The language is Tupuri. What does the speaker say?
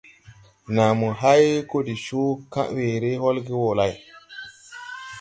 Naa mo hay ko de coo weere holge wo lay.